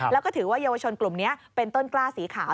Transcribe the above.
แล้วก็ถือว่าเยาวชนกลุ่มนี้เป็นต้นกล้าสีขาว